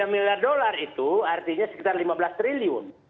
tiga miliar dolar itu artinya sekitar lima belas triliun